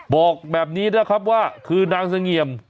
บอกแบบนี้นะครับว่าคือนางสง่ะเงียบ